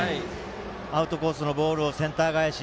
アウトコースのボールをセンター返し。